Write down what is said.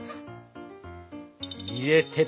入れてと。